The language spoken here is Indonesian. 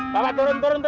bapak turun turun